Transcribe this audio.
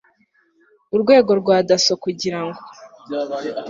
urwego rwa dasso kugirango